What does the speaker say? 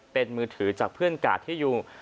เป็นมือถือจากเพื่อนกาดที่ยุง